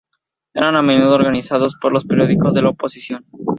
Eran a menudo organizados por los periódicos de la oposición.